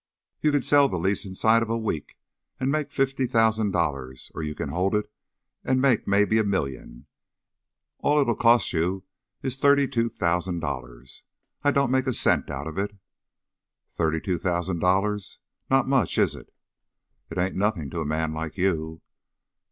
You kin sell the lease inside of a week an' make fifty thousand dollars, or you kin hold it an' make mebbe a million. All it'll cost you is thirty two thousand dollars. I don't make a cent out of it." "Thirty two thousand dollars! Not much, is it?" "It ain't nothin' to a man like you."